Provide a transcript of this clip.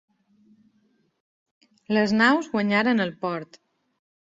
Les naus guanyaren el port.